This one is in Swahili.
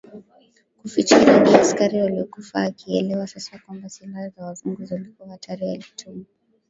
kuficha idadi ya askari waliokufa Akielewa sasa kwamba silaha za Wazungu zilikuwa hatari alituma